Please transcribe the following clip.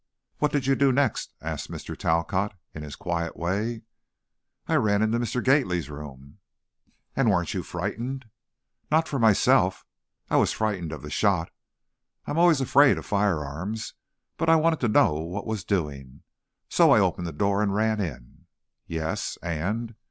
"What did you do next?" asked Mr. Talcott, in his quiet way. "I ran into Mr. Gately's room " "And you weren't frightened?" "Not for myself. I was frightened of the shot, I always am afraid of firearms, but I wanted to know what was doing. So, I opened the door and ran in " "Yes; and?"